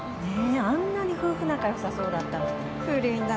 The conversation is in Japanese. あんなに夫婦仲良さそうだったのに。